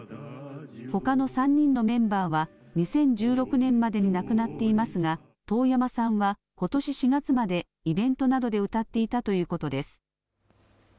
ほかの３人のメンバーは、２０１６年までに亡くなっていますが、遠山さんはことし４月までイベントなどで歌っていたということです。